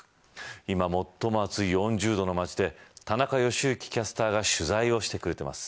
今、最も暑い４０度の街で田中良幸キャスターが取材をしてくれています。